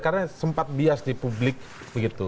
karena sempat bias di publik begitu